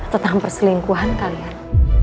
tetangga perselingkuhan kalian